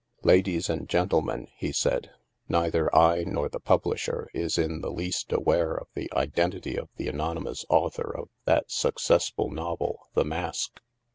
" Ladies and gentlemen," he said, " neither I nor the publisher is in the least aware of the identity of the anonymous author of that successful novel * The Mask.'